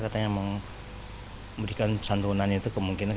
katanya memberikan santunan itu kemungkinan